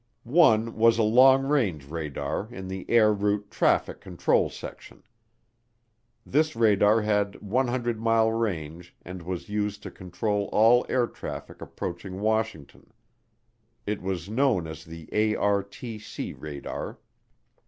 One was a long range radar in the Air Route Traffic Control section. This radar had 100 mile range and was used to control all air traffic approaching Washington. It was known as the ARTC radar.